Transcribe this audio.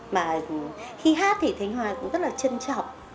mà khi hát thì thành hoa cũng rất là trân trọng